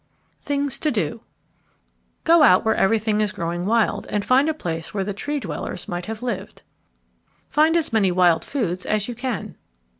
THINGS TO DO Go out where everything is growing wild and find a place where the Tree dwellers might have lived. _Find as many wild foods as you can.